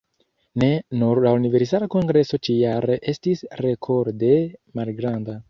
Ne nur la Universala Kongreso ĉi-jare estis rekorde malgranda.